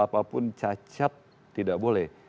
apapun cacat tidak boleh